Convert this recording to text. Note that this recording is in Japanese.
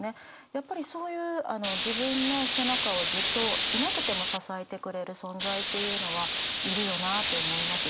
やっぱりそういう自分の背中をずっといなくても支えてくれる存在っていうのはいるよなと思いますし。